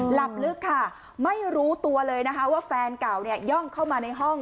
หลับลึกค่ะไม่รู้ตัวเลยนะคะว่าแฟนเก่าเนี่ยย่องเข้ามาในห้อง